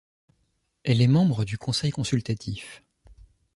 Elle est membre du Conseil consultatif.